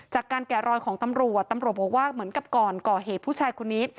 แกะรอยของตำรวจตำรวจบอกว่าเหมือนกับก่อนก่อเหตุผู้ชายคนนี้